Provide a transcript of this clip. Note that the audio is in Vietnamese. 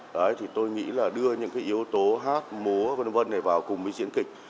đấy thì tôi nghĩ là đưa những cái yếu tố hát múa v v này vào cùng với diễn kịch